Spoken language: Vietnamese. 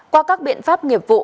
qua các biện pháp nghiệp vụ